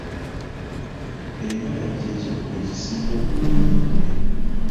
Engalabi kye kivuga ekisinga okuwunya obubi.